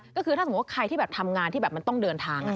ก็คือถ้าสมมุติว่าใครที่แบบทำงานที่แบบมันต้องเดินทาง